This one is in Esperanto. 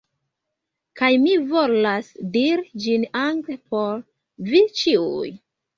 Kaj mi volas diri ĝin angle por vi ĉiuj.